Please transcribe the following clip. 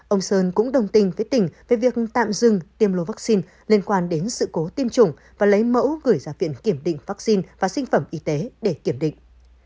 ông sơn cũng đồng tình với tỉnh về việc tạm dừng tiêm lô vaccine liên quan đến sự cố tiêm chủng và lấy mẫu gửi ra viện kiểm định vaccine và sinh phẩm y tế để kiểm định